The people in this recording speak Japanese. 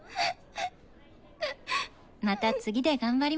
また次で頑張りましょう。